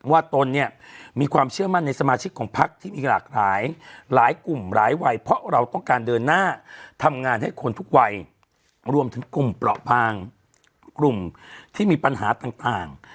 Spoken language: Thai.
ตนเนี่ยมีความเชื่อมั่นในสมาชิกของพักที่มีหลากหลายหลายกลุ่มหลายวัยเพราะเราต้องการเดินหน้าทำงานให้คนทุกวัยรวมถึงกลุ่มเปราะบางกลุ่มที่มีปัญหาต่าง